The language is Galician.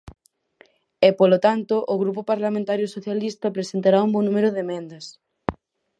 E, polo tanto, o Grupo Parlamentario Socialista presentará un bo número de emendas.